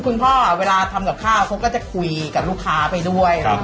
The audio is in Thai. คุณพ่อเวลาทำปักข้าวก็จะคุยกับลูกค้าไปด้วย